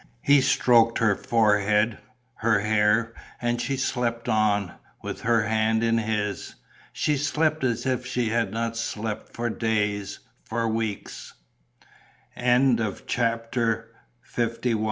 He stroked her forehead, her hair; and she slept on, with her hand in his. She slept as if she had not slept for days, for weeks. CHAPTER LII "There is nothing to be af